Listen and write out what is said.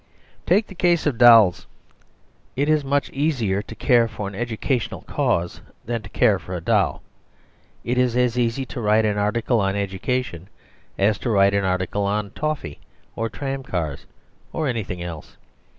Take the case of dolls. It is much easier to care for an educational cause than to care for a doll. It is as easy to write an article on education as to write an article on toffee or tramcars or anything else.